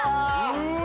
うわ